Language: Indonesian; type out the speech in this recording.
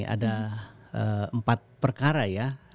ada empat perkara ya